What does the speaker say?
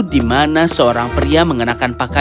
di mana seorang pria mengenakan pakaian